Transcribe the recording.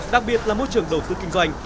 đặc biệt là môi trường đầu tư kinh doanh